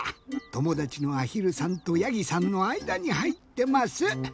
ともだちのあひるさんとやぎさんのあいだにはいってます。